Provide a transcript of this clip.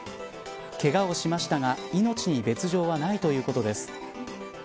けがをしましたが命に別条はないということです。